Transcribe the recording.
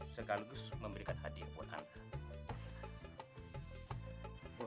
sekaligus memberikan hadiah buat anda